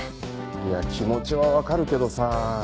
いや気持ちは分かるけどさぁ。